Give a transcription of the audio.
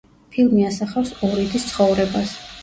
ფილმი ასახავს ორი დის ცხოვრებას.